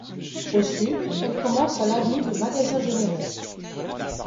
Au sud, elle commence à l'avenue des Magasins-Généraux.